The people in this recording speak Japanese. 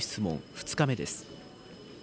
２日目です。